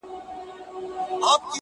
• ځکه مي دا غزله ولیکله ,